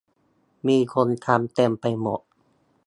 มีคนทำเต็มไปหมด